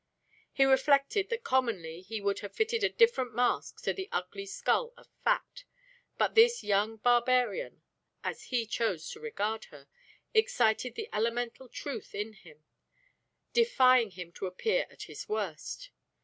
He reflected that commonly he would have fitted a different mask to the ugly skull of fact, but this young barbarian, as he chose to regard her, excited the elemental truth in him, defying him to appear at his worst.